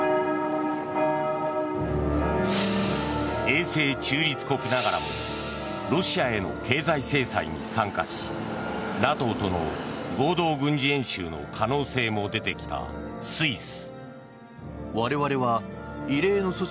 永世中立国ながらもロシアへの経済制裁に参加しＮＡＴＯとの合同軍事演習の可能性も出てきたスイス。